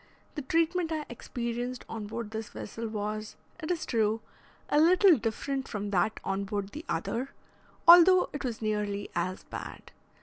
The treatment I experienced on board this vessel was, it is true, a little different from that on board the other, although it was nearly as bad.